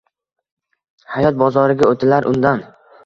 hayot bozoriga oʼtilar undan